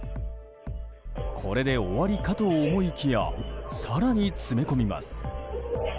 これで終わりかと思いきや更に詰め込みます。